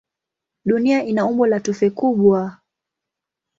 Dunia ina umbo la tufe kubwa.